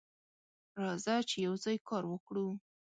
راځه چې یوځای کار وکړو.